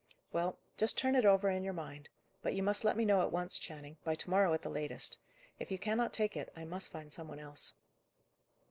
"Well, just turn it over in your mind. But you must let me know at once, Channing; by to morrow at the latest. If you cannot take it, I must find some one else."